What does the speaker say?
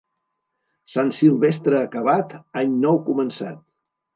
Sant Silvestre acabat, any nou començat.